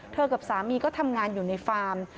กับสามีก็ทำงานอยู่ในฟาร์ม